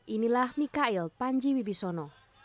inilah mikhail panji wibisono